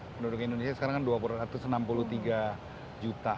penduduk indonesia sekarang kan dua ratus enam puluh tiga juta